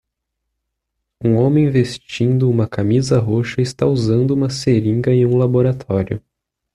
Um homem vestindo uma camisa roxa está usando uma seringa em um laboratório.